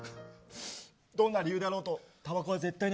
どんな理由であろうとたばこは絶対に